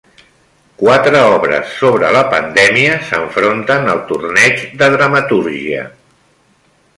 Quatre obres sobre la pandèmia s'enfronten al torneig de Dramatúrgia